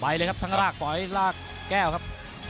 เลยครับทั้งรากฝอยรากแก้วครับ